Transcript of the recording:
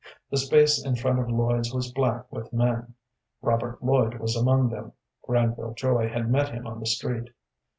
The space in front of Lloyd's was black with men. Robert Lloyd was among them. Granville Joy had met him on the street.